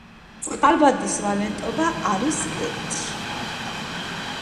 წყალბადის ვალენტობა არის ერთი